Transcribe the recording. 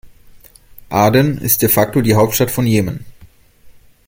Aden ist de facto die Hauptstadt von Jemen.